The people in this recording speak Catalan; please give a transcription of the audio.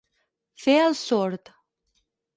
Fer el sord.